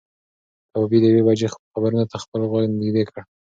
کبابي د یوې بجې خبرونو ته خپل غوږ نږدې کړ.